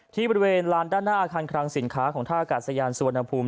ที่บริเวณลานด้านหน้าอาคารคลังสินค้าของท่ากาศยานสุวรรณภูมิ